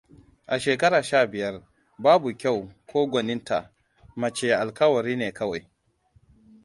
A shekara sha biyar, babu kyau ko gwaninta: mace alkawari ne kowai.